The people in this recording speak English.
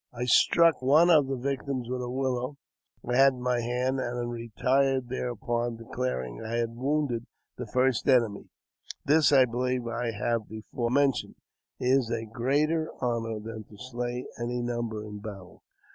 I struck one of the victims with a willow I had in my hand, and retired thereupon, declaring I had wounded the first enemy. This, I believe I have before mentioned, is a greater honour than to slay any number in battle.